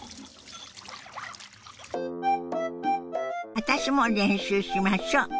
私も練習しましょ。